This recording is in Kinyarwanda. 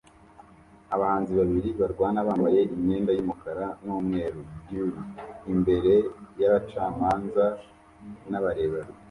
Abahanzi babiri barwana bambaye imyenda yumukara numweru duel imbere yabacamanza nabarebera